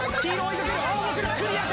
クリアか？